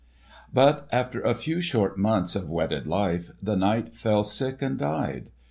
But after a few short months of wedded life the knight fell sick and died.